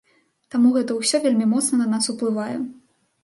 Таму гэта ўсё вельмі моцна на нас уплывае.